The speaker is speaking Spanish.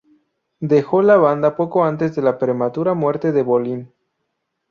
Dejó la banda poco antes de la prematura muerte de Bolin.